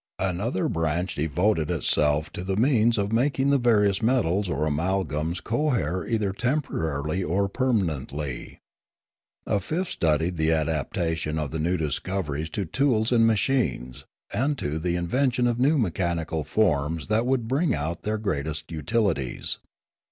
Another branch devoted itself to the means of making the various metals or amalgams cohere either temporarily or permanently. A fifth studied the adaptation of the new discoveries to tools and machines and to the in vention of new mechanical forms that would bring out their greatest utilities.